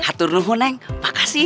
hatur nuhun neng makasih